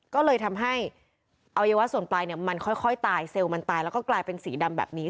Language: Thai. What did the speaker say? ก็เลยทำให้อวัยวะส่วนปลายเนี่ยมันค่อยตายเซลล์มันตายแล้วก็กลายเป็นสีดำแบบนี้